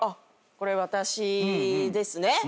これ私ですね。